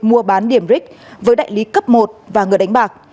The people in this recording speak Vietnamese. mua bán điểm ric với đại lý cấp một và người đánh bạc